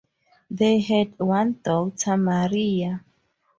They had one daughter, Maria.